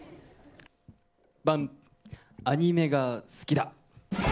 アニメが好きだ！